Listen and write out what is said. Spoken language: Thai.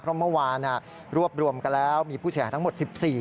เพราะเมื่อวานรวบรวมกันแล้วมีผู้เสียหายทั้งหมด๑๔